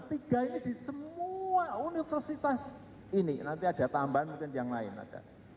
tiga ini di semua universitas ini nanti ada tambahan mungkin yang lain ada